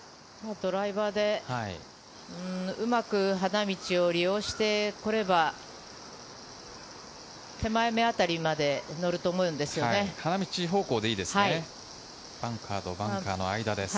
ドライバーでうまく花道を利用してくれば、手前目あたりまで乗ると思うんですよね。